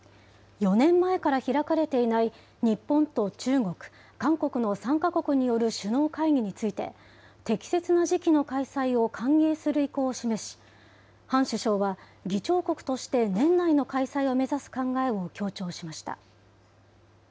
４年前から開かれていない日本と中国、韓国の３か国による首脳会議について、適切な時期の開催を歓迎する意向を示し、ハン首相は、議長国として年内の開催を目指す考えを強調しました。